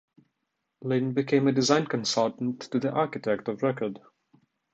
Lin became a design consultant to the architect of record.